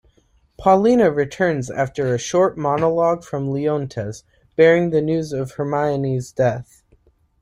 Paulina returns after a short monologue from Leontes, bearing the news of Hermione's death.